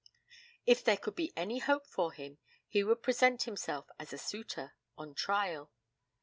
If there could be any hope for him, he would present himself as a suitor on trial.